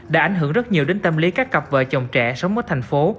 đã ảnh hưởng rất nhiều đến tâm lý các cặp vợ chồng trẻ sống ở thành phố